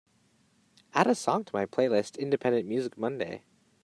Add a song to my playlist Independent Music Monday